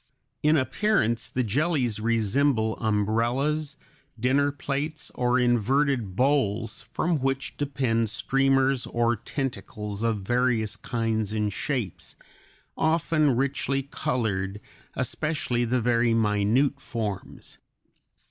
In appearance the jellies resemble umbrellas, dinner plates, or inverted bowls, from which depend streamers or tentacles of various kinds and shapes, often richly colored, especially the very minute forms.